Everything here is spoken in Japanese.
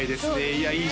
いやいい